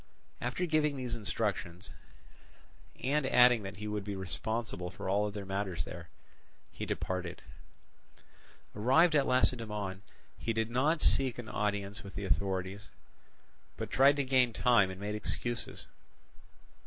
After giving these instructions, and adding that he would be responsible for all other matters there, he departed. Arrived at Lacedaemon he did not seek an audience with the authorities, but tried to gain time and made excuses.